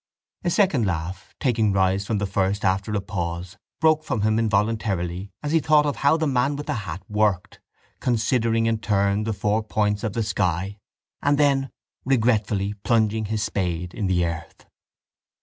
A second laugh, taking rise from the first after a pause, broke from him involuntarily as he thought of how the man with the hat worked, considering in turn the four points of the sky and then regretfully plunging his spade in the earth.